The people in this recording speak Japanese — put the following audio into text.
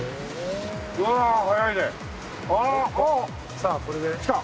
さあこれで。来た！